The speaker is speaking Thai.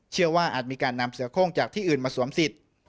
อาจมีการนำเสือโค้งจากที่อื่นมาสวมสิทธิ์